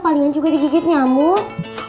palingan juga digigit nyamuk